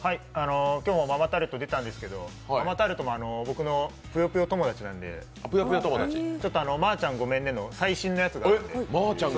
今日もママタルト出たんですけど、ママタルトも、僕のぷよぷよ友達なんで、まーちゃんごめんねの最新のやつが。